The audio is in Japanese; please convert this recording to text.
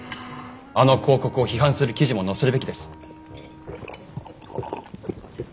あの広告を批判する記事も載せるべきです。